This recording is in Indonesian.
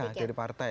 iya dari partai